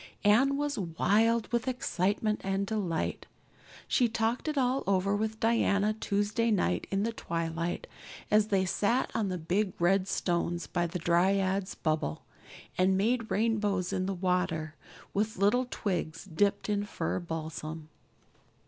Anne was wild with excitement and delight. She talked it all over with Diana Tuesday night in the twilight, as they sat on the big red stones by the Dryad's Bubble and made rainbows in the water with little twigs dipped in fir balsam.